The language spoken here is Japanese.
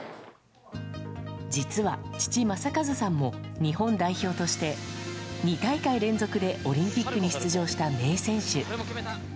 実は父、正和さんも日本代表として、２大会連続でオリンピックに出場した名選手。